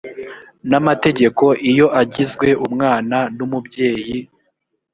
n amategeko iyo agizwe umwana n umubyeyi